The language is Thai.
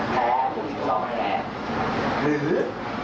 แถลกลุ่มอีก๒แล้วหรือแถลก๔